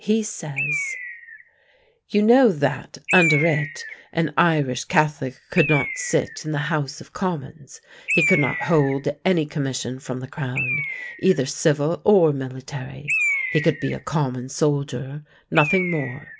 He says: "You know that, under it, an Irish Catholic could not sit in the House of Commons; he could not hold any commission from the Crown, either civil or military; he could be a common soldier nothing more.